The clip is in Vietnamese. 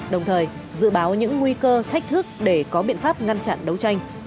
đồng thời dự báo những nguy cơ thách thức để có biện pháp ngăn chặn đấu tranh